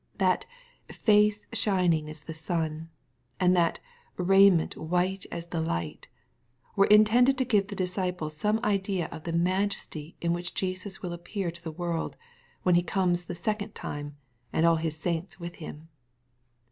That " face shining as the sun,'' and that " raiment white as the light," were intended to give the disciples some idea of the majesty in which Jesus will appear to the world, when He comes the second time, and all His saints with Him.